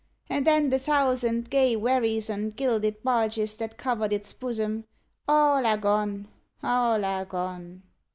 And then the thousand gay wherries and gilded barges that covered its bosom all are gone all are gone!"